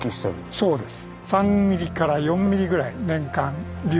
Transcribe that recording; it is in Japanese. そうですね。